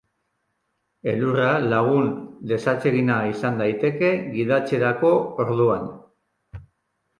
Elurra lagun desatsegina izan daiteke gidatzerako orduan.